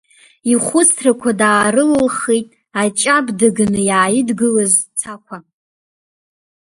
Ихәыцрақәа даарылылхит аҷаб даганы иааидгылаз Цақәа.